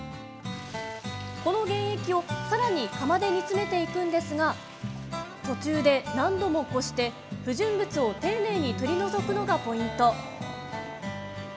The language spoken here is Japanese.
この原液を、さらに窯で煮詰めていくんですが途中で何度もこして、不純物を丁寧に取り除くのがポイント。